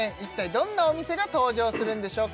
どんなお店が登場するんでしょうか？